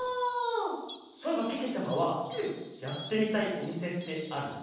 そういえばけけちゃまはやってみたいおみせってあるの？